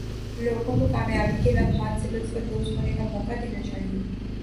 لوگوں کو کامیابی کے لمحات سے لطف اندواز ہونے کا موقع دینا چاہئے